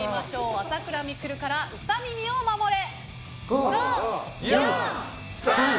朝倉未来からウサ耳を守れ！